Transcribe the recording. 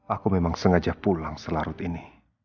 aku memang sengaja pulang selarut ini